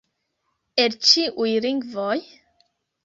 El ĉiuj lingvoj!